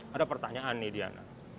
ada pertanyaan nih diana